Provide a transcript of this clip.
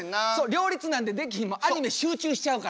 両立なんてできひんアニメ集中しちゃうから。